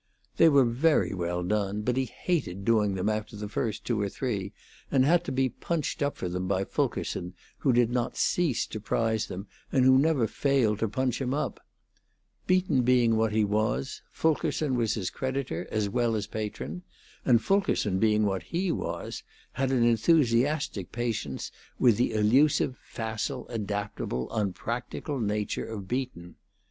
They were very well done, but he hated doing them after the first two or three, and had to be punched up for them by Fulkerson, who did not cease to prize them, and who never failed to punch him up. Beaton being what he was, Fulkerson was his creditor as well as patron; and Fulkerson being what he was, had an enthusiastic patience with the elusive, facile, adaptable, unpractical nature of Beaton.